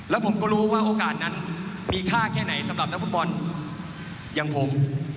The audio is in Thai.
แล้วผมก็รู้ว่าโอกาสนั้นมีค่าแค่ไหนสำหรับนักฟุตบอลอย่างผม